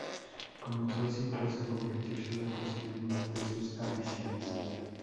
Comenzó así pues a convertirse la cocina en una de sus aficiones.